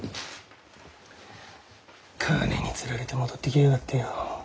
金に釣られて戻ってきやがってよ。